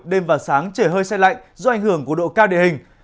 đêm và sáng trời hơi xe lạnh do ảnh hưởng của độ cao địa hình